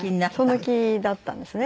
その気だったんですね。